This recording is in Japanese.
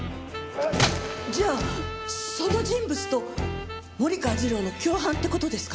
じゃあその人物と森川次郎の共犯って事ですか？